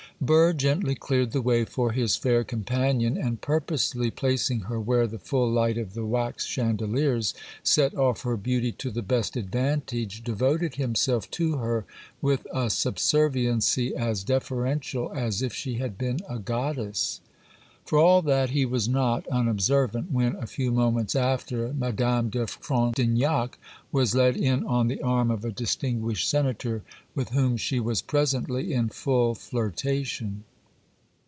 Burr gently cleared the way for his fair companion, and purposely placing her where the full light of the wax chandeliers set off her beauty to the best advantage, devoted himself to her with a subserviency as deferential as if she had been a goddess. For all that, he was not unobservant when, a few moments after, Madame de Frontignac was led in on the arm of a distinguished senator, with whom she was presently in full flirtation.